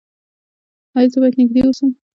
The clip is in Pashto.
ایا زه باید نږدې اوسم؟